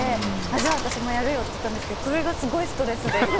じゃあ、私もやるよって言ったんですけどこれが、すごいストレスで。